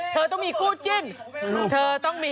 เธอต้องมีคู่จิ้น